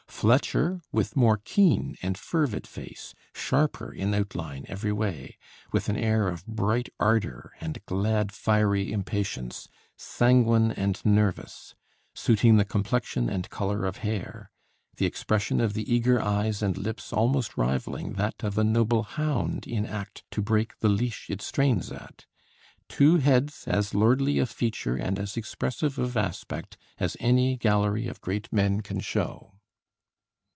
Fletcher with more keen and fervid face, sharper in outline every way, with an air of bright ardor and glad, fiery impatience; sanguine and nervous, suiting the complexion and color of hair; the expression of the eager eyes and lips almost rivaling that of a noble hound in act to break the leash it strains at; two heads as lordly of feature and as expressive of aspect as any gallery of great men can show."